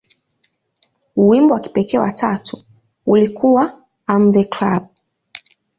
Wimbo wa kipekee wa tatu ulikuwa "I Am The Club".